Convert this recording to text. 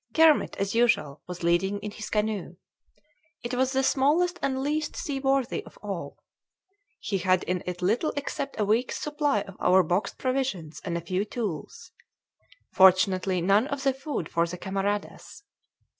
Kermit, as usual, was leading in his canoe. It was the smallest and least seaworthy of all. He had in it little except a week's supply of our boxed provisions and a few tools; fortunately none of the food for the camaradas.